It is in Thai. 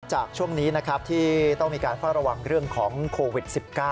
จากช่วงนี้ที่ต้องมีการฝ่าระวังเรื่องของโควิด๑๙